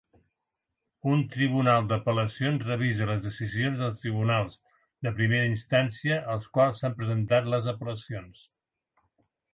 Un tribunal d"apel·lacions revisa les decisions del tribunals de primera instància als quals s"han presentat les apel·lacions.